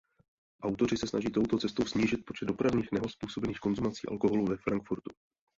Autoři se snaží touto cestou snížit počet dopravních nehod způsobených konzumací alkoholu ve Frankfurtu.